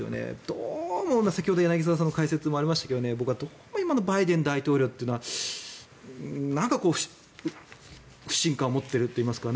どうも先ほど柳澤さんの解説もありましたがどうも僕は今のバイデン大統領というのはなんか不信感を持っているといいますか。